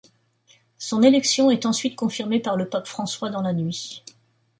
Son élection est ensuite confirmée par le pape François dans la nuit.